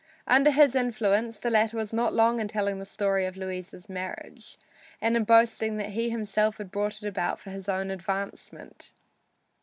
Under his influence the latter was not long in telling the story of Louisa's marriage, and in boasting that he himself had brought it about for his own advancement.